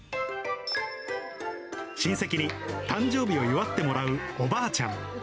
親戚に誕生日を祝ってもらうおばあちゃん。